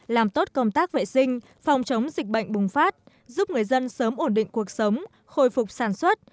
làm tốt công tác vệ sinh phòng chống dịch bệnh bùng phát giúp người dân sớm ổn định cuộc sống khôi phục sản xuất